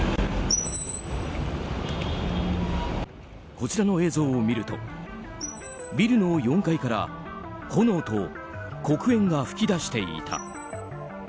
こちらの映像を見るとビルの４階から炎と黒煙が噴き出していた。